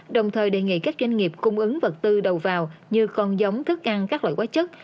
đồng thời đề nghị các doanh nghiệp cung ứng vật tư đầu vào như con giống thức ăn các loại quá chất